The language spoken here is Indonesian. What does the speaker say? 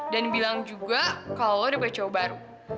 dan bilang juga kalau lo udah punya cowok baru